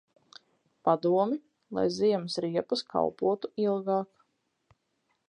Padomi, lai ziemas riepas kalpotu ilgāk.